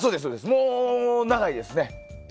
もう長いですね。